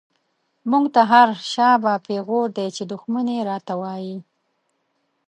موږ ته هر” شا به” پيغور دی، چی دښمن يې را ته وايې